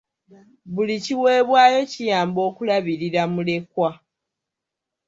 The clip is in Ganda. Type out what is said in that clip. Buli kiweebwayo kiyamba okulabirira mulekwa.